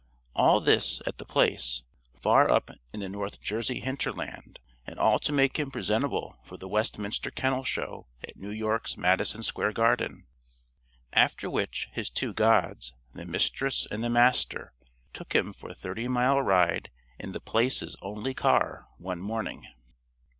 All this, at The Place, far up in the North Jersey hinterland and all to make him presentable for the Westminster Kennel Show at New York's Madison Square Garden. After which, his two gods, the Mistress and the Master took him for a thirty mile ride in The Place's only car, one morning.